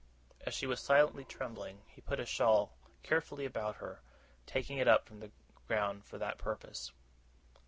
As she was silently trembling, he put her shawl carefully about her, taking it up from the ground for that purpose.